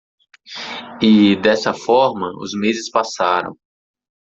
E? dessa forma? os meses passaram.